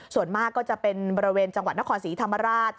ส่วนมากก็จะเป็นบริเวณจังหวัดนครศรีธรรมราช